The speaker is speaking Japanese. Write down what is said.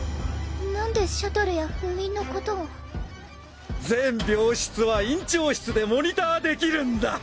なんでシャトルや封印のことを全病室は院長室でモニターできるんだ！